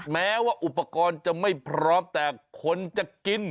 แม้ว่าอุปกรณ์จะไม่พร้อมแต่คนจะกิน